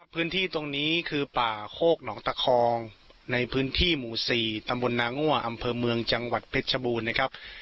พื้นที่ตรงนี้คือป่าโคกหนองตะคองในพื้นที่หมู่๔ตำบลนางั่วอำเภอเมืองจังหวัดเพชรชบูรณ์นะครับ